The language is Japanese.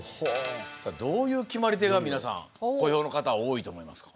さあどういう決まり手が皆さん小兵の方は多いと思いますか？